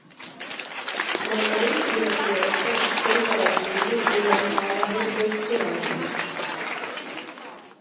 Uma mãe e uma criança estão interagindo em uma sala retrostilada.